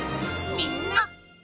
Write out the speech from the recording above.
みんな？